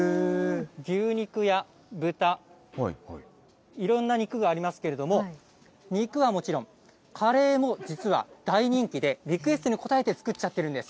牛肉や豚、いろんな肉がありますけれども、肉はもちろん、カレーも実は大人気で、リクエストに応えて作っちゃっているんです。